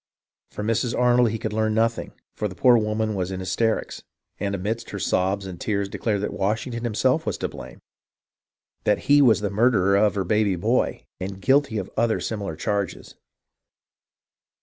From Mrs. Arnold he could learn nothing, for the poor woman was in hyster ics, and amidst her sobs and tears declared that Washing ton himself was to blame, that he was the murderer of her baby boy, and guilty of other similar charges.